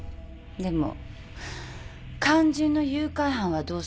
でも肝心の誘拐犯はどうするの？